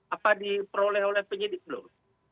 apa diperoleh oleh penyidik belum